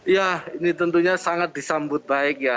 ya ini tentunya sangat disambut baik ya